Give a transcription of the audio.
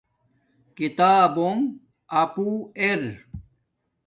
کتابونݣ اپو ارا